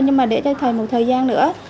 nhưng mà để cho thầy một thời gian nữa